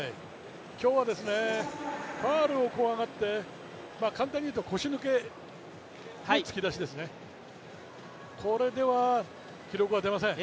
今日はファウルを怖がって、簡単に言うと腰抜けの突き出しですね。